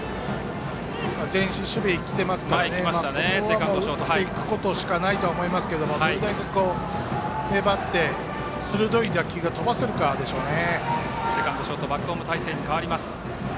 前進守備きていますからここは打っていくしかないと思いますけれどもどれくらい粘って、鋭い打球が飛ばせるかでしょうね。